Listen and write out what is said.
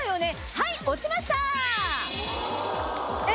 はい落ちました！